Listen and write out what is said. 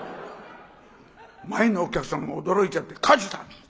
前のお客さんが驚いちゃって「火事だ！